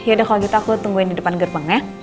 yaudah kalau gitu aku tungguin di depan gerbangnya